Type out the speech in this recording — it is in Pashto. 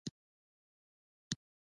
زما ګومان و چې دا یې راپورتاژ یا سفرنامه ده.